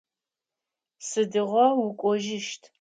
Сыдыгъо укӏожьыщт?